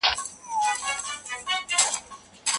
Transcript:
معلم غني ثمر ګل ته د نوي کښت په اړه معلومات ورکړل.